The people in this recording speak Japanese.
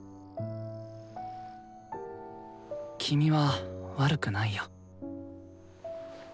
君は悪くないよ。